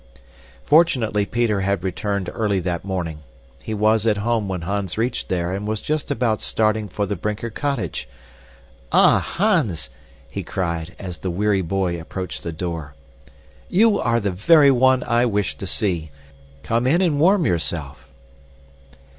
Fortunately Peter had returned early that morning. He was at home when Hans reached there and was just about starting for the Brinker cottage. "Ah, Hans!" he cried as the weary boy approached the door. "You are the very one I wished to see. You are the very one I wished to see. Come in and warm yourself."